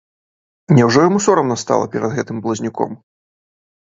Няўжо яму сорамна стала перад гэтым блазнюком?